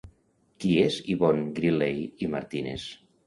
Qui és Yvonne Griley i Martínez?